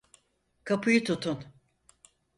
Kapıyı tutun!